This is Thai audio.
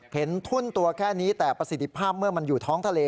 ทุ่นตัวแค่นี้แต่ประสิทธิภาพเมื่อมันอยู่ท้องทะเล